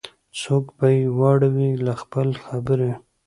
څوک به یې واړوي له خپل خبري